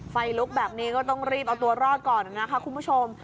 ไฟลุกแบบนี้ก็ต้องรีบเอาตัวรอดก่อนนะคะคุณผู้ชม